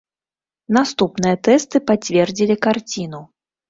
Наступныя тэсты пацвердзілі карціну.